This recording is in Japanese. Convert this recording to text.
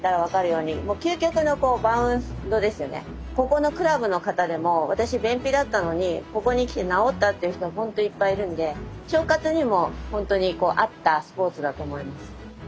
ここのクラブの方でも私便秘だったのにここに来て治ったっていう人もほんといっぱいいるんで腸活にも本当に合ったスポーツだと思います。